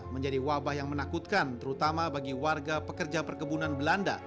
menjadi wabah yang menakutkan terutama bagi warga pekerja perkebunan belanda